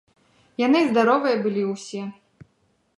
Яны і здаровыя былі ўсе.